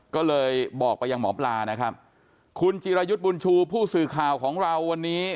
ก็เลยบอกไปยังหมอปลานะครับคุณจิรายุทธ์บุญชูผู้สื่อข่าวของเราวันนี้